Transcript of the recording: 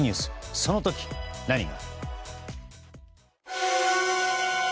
その時、何が。